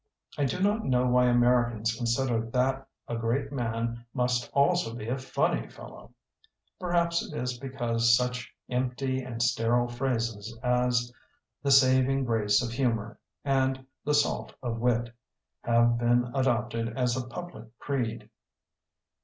I do not know why Americans consider that a great man must also be a funny fellow. Perhaps it is because such empty and sterile phrases as 'the sav ing grace of humor*' and "the salt of wW% have been adopted as a public creed.